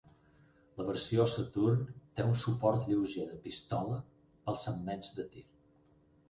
La versió Saturn té un suport lleuger de pistola pels segments de tir.